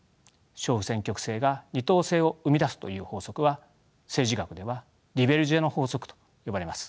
小選挙区制が二党制を生み出すという法則は政治学ではデュベルジェの法則と呼ばれます。